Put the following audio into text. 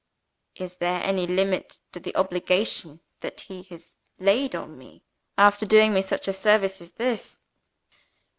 Is there any limit to the obligation that he has laid on me, after doing me such a service as this?